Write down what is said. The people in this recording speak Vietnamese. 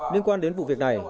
liên quan đến vụ việc này